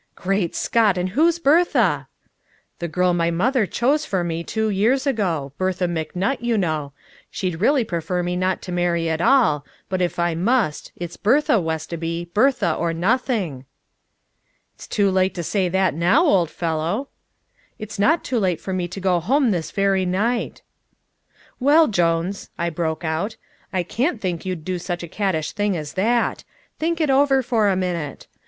"Great Scott, and who's Bertha?" "The girl my mother chose for me two years ago Bertha McNutt, you know. She'd really prefer me not to marry at all, but if I must it's Bertha, Westoby Bertha or nothing!" "It's too late to say that now, old fellow." "It's not too late for me to go home this very night." "Well, Jones," I broke out, "I can't think you'd do such a caddish thing as that. Think it over for a minute.